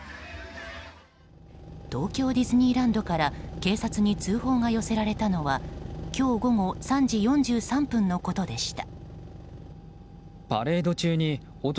東京ディズニーランドから警察に通報が寄せられたのは今日午後３時４３分のことでした。